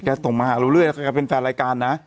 แกตรงมาหาเรื่อยแล้วเป็นแฟนรายการนะ